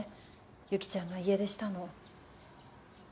ユキちゃんが家出したの。